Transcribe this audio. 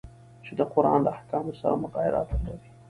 چي د قرآن له احکامو سره مغایرت ولري.